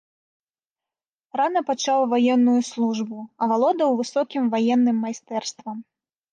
Рана пачаў ваенную службу, авалодаў высокім ваенным майстэрствам.